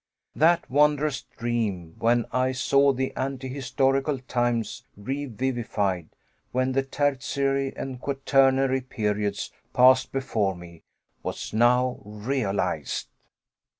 That wondrous dream, when I saw the antehistorical times revivified, when the Tertiary and Quaternary periods passed before me, was now realized!